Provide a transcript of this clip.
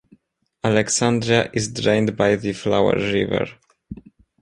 Alexandria is drained by the Fowler River.